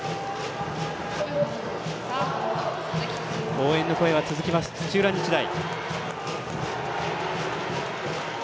応援の声は続きます、土浦日大。